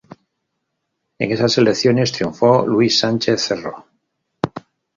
En esas elecciones triunfó Luis Sánchez Cerro.